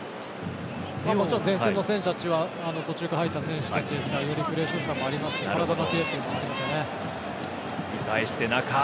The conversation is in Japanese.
もちろん前線の選手たちは途中から入った選手なのでフレッシュさもありますし体の元気さもありますよね。